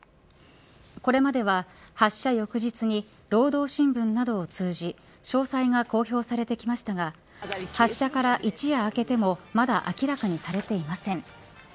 これまでは発射翌日に労働新聞などを通じ詳細が公表されてきましたが発射から一夜明けてもまだ明らかにされていません。